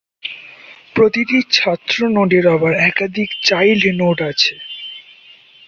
প্রতিটি ছাত্র নোডের আবার একাধিক চাইল্ড নোড আছে।